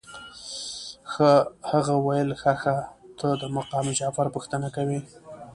هغه ویل ښه ښه ته د مقام جعفر پوښتنه کوې.